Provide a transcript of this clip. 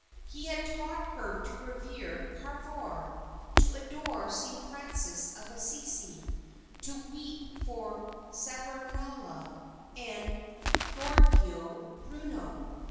He had taught her to revere Cavour, to adore St. Francis of Assisi, to weep for Savonarola and Giordano Bruno.